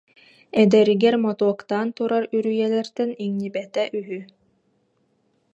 Эдэригэр мотуоктаан турар үрүйэлэртэн иҥнибэтэ үһү